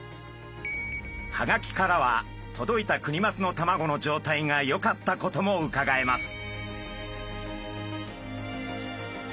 ハガキからは届いたクニマスの卵の状態がよかったこともうかがえます。